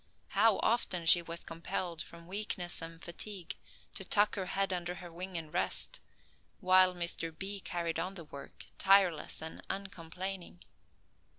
How often she was compelled from weakness and fatigue to tuck her head under her wing and rest, while Mr. B. carried on the work tireless and uncomplaining.